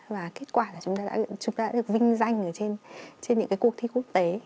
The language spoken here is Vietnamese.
và kết quả là chúng ta đã được vinh danh ở trên những cái cuộc thi quốc tế